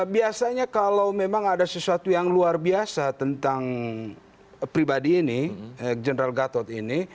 biasanya kalau memang ada sesuatu yang luar biasa tentang pribadi ini general gatot ini